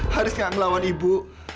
haris gak melawan ibu